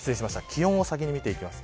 気温を先に見ていきます。